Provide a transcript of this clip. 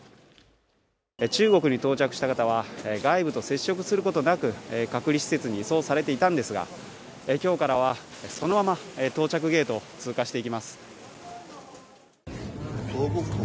中国に到着した方は、外部と接触することなく隔離施設に移送されていたんですが今日からは、そのまま到着ゲートを通過していきます。